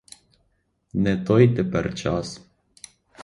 Не той тепер час!